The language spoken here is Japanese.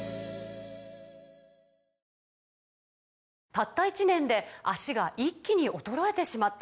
「たった１年で脚が一気に衰えてしまった」